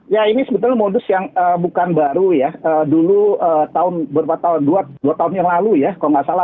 ya ini sebetulnya modus yang bukan baru ya dulu tahun berapa tahun dua tahun yang lalu ya kalau nggak salah